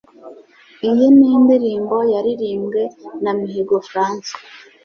Iyi ni indirimbo yaririmbwe na Mihigo Francois,